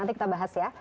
nanti kita bahas ya